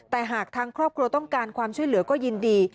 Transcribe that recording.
แต่หากทางครอบครัวต้องการความช่วยเหลือก็ยินดี